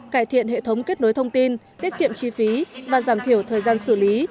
cải thiện hệ thống kết nối thông tin tiết kiệm chi phí và giảm thiểu thời gian xử lý